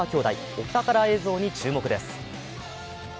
お宝映像に注目です。